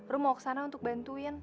rom mau ke sana untuk bantuin